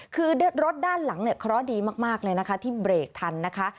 คือรถด้านหลังเนี่ยเคราะห์ดีมากเลยนะคะที่เบรกทันนะคะ